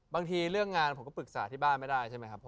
บางทีเรื่องงานผมก็ปรึกษาที่บ้านไม่ได้ใช่ไหมครับ